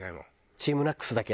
ＴＥＡＭＮＡＣＳだけ？